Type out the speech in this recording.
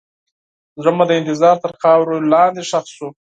زړه مې د انتظار تر خاورو لاندې ښخ شو.